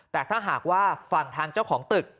แต่ถ้าหากว่าฝั่งทางเจ้าของตึก